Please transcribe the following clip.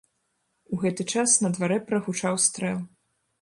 У гэты час на дварэ прагучаў стрэл.